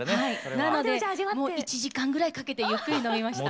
なのでもう１時間ぐらいかけてゆっくり飲みました。